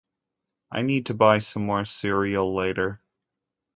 I need to buy some more cereal later.